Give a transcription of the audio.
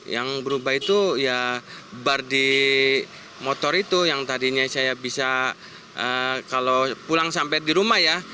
yang berubah itu ya bar di motor itu yang tadinya saya bisa kalau pulang sampai di rumah ya